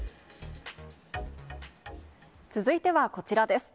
続いてはこちらです。